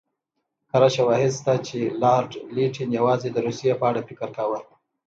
کره شواهد شته چې لارډ لیټن یوازې د روسیې په اړه فکر کاوه.